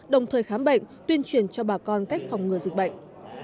đồng thời khám bệnh tuyên truyền cho bà con cách phòng ngừa dịch bệnh